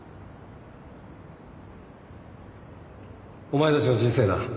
お前たちの人生だ